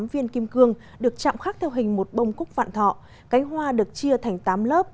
viên kim cương được chạm khắc theo hình một bông cúc vạn thọ cánh hoa được chia thành tám lớp